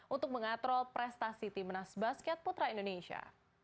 untuk mengatrol prestasi timnas basket putra indonesia